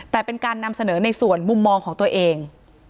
แต่เป็นการนำเสนอในส่วนมุมมองของตัวเอง